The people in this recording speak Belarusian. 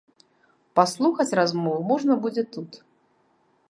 Паслухаць размову можна будзе тут.